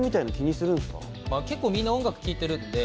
結構、みんな音楽聴いてるんで。